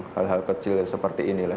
hal hal kecil seperti ini lah